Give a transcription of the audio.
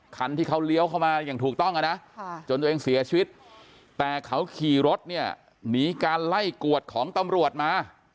คันที่เขาเลี้ยวเข้ามาอย่างถูกต้องนะจนตัวเองเสียชีวิตแต่เขาขี่รถเนี่ยหนีการไล่กวดของตำรวจมา